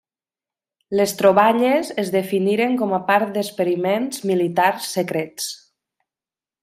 Les troballes es definiren com a part d'experiments militars secrets.